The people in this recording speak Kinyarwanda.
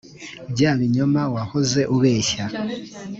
bya binyoma wahoze ubeshya